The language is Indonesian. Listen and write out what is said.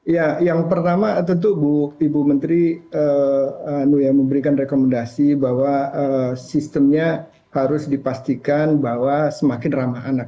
ya yang pertama tentu ibu menteri memberikan rekomendasi bahwa sistemnya harus dipastikan bahwa semakin ramah anak